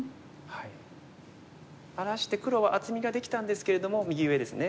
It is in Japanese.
荒らして黒は厚みができたんですけれども右上ですね。